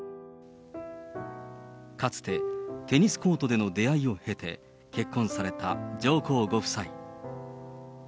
かつてテニスコートでの出会いを経て結婚された上皇ご夫妻。